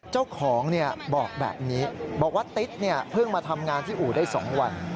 เจ้าของบอกแบบนี้บอกว่าติ๊ดเพิ่งมาทำงานที่อู่ได้๒วัน